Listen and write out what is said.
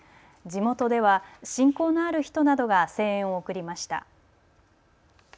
地元では親交のある人などが声援を送りました。